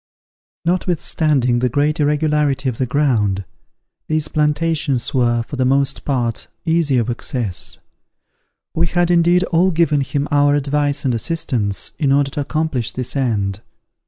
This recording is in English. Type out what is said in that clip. Notwithstanding the great irregularity of the ground, these plantations were, for the most part, easy of access. We had, indeed, all given him our advice and assistance, in order to accomplish this end.